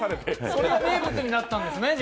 それが名物になったんですね。